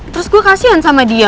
terus gue kasian sama dia